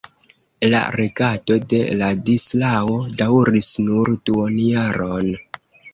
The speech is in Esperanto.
La regado de Ladislao daŭris nur duonjaron.